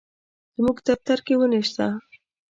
زموږ دفتر کي وني شته.